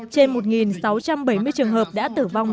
trên một sáu trăm bảy mươi trường hợp đã